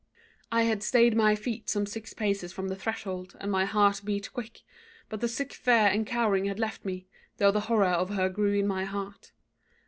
"I had stayed my feet some six paces from the threshold, and my heart beat quick, but the sick fear and cowering had left me, though the horror of her grew in my heart.